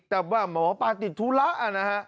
แต่หมอปลาติดทุระ